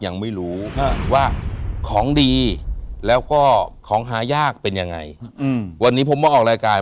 ยังไม่รู้ว่าของดีแล้วก็ของหายากเป็นยังไงวันนี้ผมมาออกรายการ